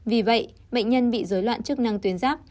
vì vậy bệnh nhân bị dối loạn chức năng tuyến giáp